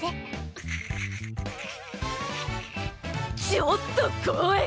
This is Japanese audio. ちょっと来い！